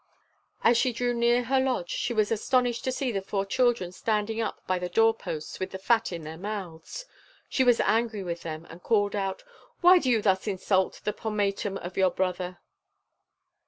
As she drew near her lodge she was astonished to see the four children standing up by the door posts with the fat in their mouths. She was angry with them, and called out: "Why do you thus insult the pomatum of your brother?"